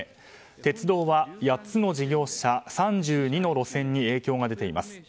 鉄道は、８つの事業者３２の路線に影響が出ています。